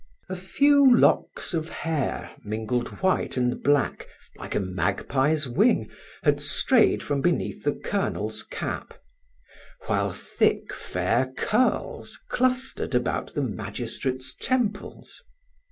A few locks of hair, mingled white and black, like a magpie's wing, had strayed from beneath the Colonel's cap; while thick, fair curls clustered about the magistrate's temples.